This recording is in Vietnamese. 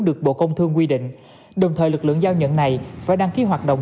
được bộ công thương quy định đồng thời lực lượng giao nhận này phải đăng ký hoạt động